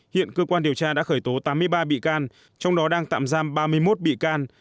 hiện cơ quan điều tra đã khởi tố tám mươi ba bị can trong đó đang tạm giam ba mươi một bị can